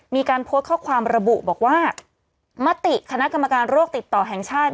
มีการโพสต์ข้อความระบุบอกว่ามติคณะกรรมการโรคติดต่อแห่งชาติ